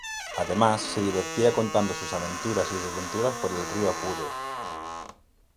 Además se divertía contando sus aventuras y desventuras por el río Apure.